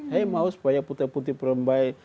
saya mau supaya putra putri pertumbai